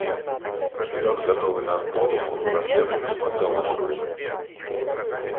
Вперед готовый на отпор, он враждебно посмотрел на шурина.